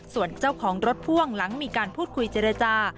ส่วนเจ้าของรถพ่วงหลังมีการพูดคุยเจรจา